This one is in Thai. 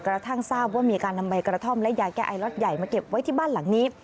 กระทั่งทราบว่ามีการนำใบกระท่อมและยาแก้ไอล็อตใหญ่มาเก็บไว้ที่บ้านหลังนี้